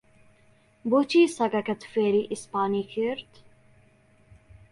بۆچی سەگەکەت فێری ئیسپانی کرد؟